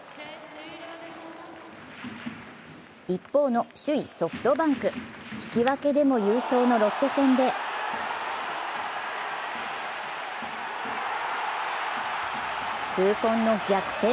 一方の首位・ソフトバンク引き分けでも優勝のロッテ戦で痛恨の逆転